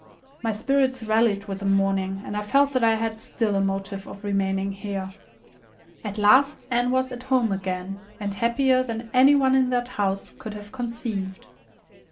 My spirits rallied with the morning, and I felt that I had still a motive for remaining here." At last Anne was at home again, and happier than any one in that house could have conceived.